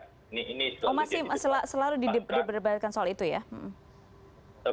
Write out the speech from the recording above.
oh masih selalu diperdebatkan soal itu ya